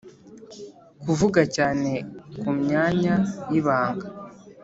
kuvuga cyane ku myanya y’ibanga,